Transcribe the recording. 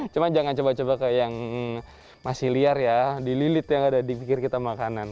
cuma jangan coba coba ke yang masih liar ya dililit yang ada di pikir kita makanan